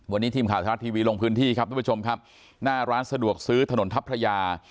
วันนี้ทีมข่าวชาวรัฐทีวีลงพื้นที่ครับทุกผู้ชมครับหน้าร้านสะดวกซื้อถนนทัพพระยา